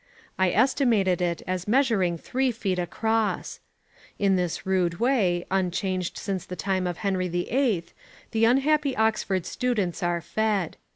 I estimated it as measuring three feet across. In this rude way, unchanged since the time of Henry VIII, the unhappy Oxford students are fed.